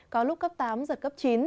có lúc cấp tám giật cấp chín